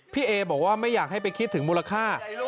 เอบอกว่าไม่อยากให้ไปคิดถึงมูลค่า